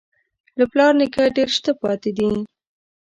له پلار نیکه ډېر شته پاتې دي.